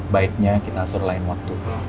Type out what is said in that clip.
baiknya kita atur lain waktu